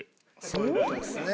そういう事ですね。